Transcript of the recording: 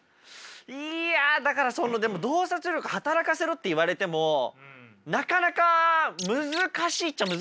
いやだからそのでも洞察力働かせろって言われてもなかなか難しいっちゃ難しいですよね？